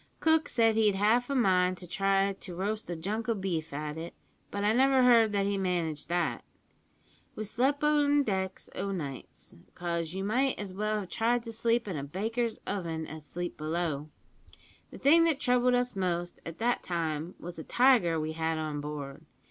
Cook said he'd half a mind to try to roast a junk o' beef at it, but I never heard that he managed that. We slep' on deck o' nights, 'cause you might as well have tried to sleep in a baker's oven as sleep below. The thing that troubled us most at that time was a tiger we had on board.